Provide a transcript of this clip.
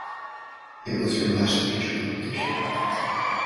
It was her last major competition.